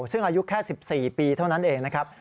ซึ่งอายุแค่๑๔ปีเท่านั้นเองนะครับ